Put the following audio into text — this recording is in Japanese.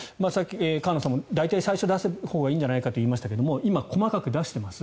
河野さんも大体最初に出すほうがいいんじゃないかと言っていましたが今、細かく出しています。